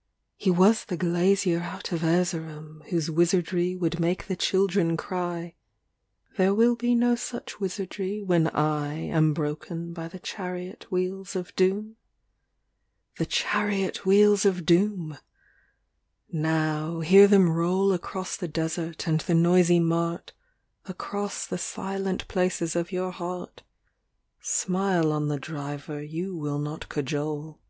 nm He was the glazier out of Erzerum, Whose wizardry would make the children cry There will be no such wizardry when I Am broken by the chariot wheels of Doom. THE DIWAN OF ABUŌĆÖL ALA 45 LIV The chariot wheels of Doom ! Now, hear them roll Across the desert and the noisy mart, Across the silent places of your heart Smile on the driver you will not cajole.